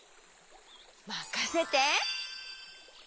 まかせて！